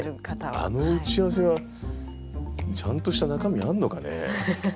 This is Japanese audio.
あの打ち合わせはちゃんとした中身あんのかね。